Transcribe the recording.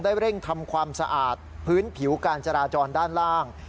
เร่งทำความสะอาดพื้นผิวการจราจรด้านล่าง